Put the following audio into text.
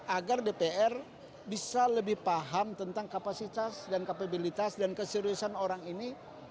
agar dpr bisa lebih paham tentang kapasitas dan kapabilitas dan keseriusan orang ini